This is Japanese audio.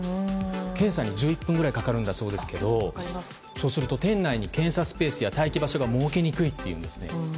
検査に１１分くらいかかるんだそうですけどそうすると店内に検査スペースや待機場所を設けにくいというんです。